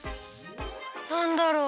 なんだろう？